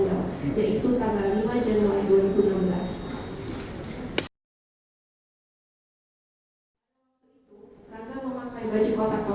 dan dihubungkan dengan kandungan yang berada di rumah sakit abdiwaluyo